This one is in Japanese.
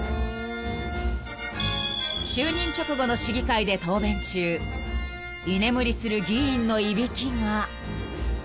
［就任直後の市議会で答弁中居眠りする議員のいびきが］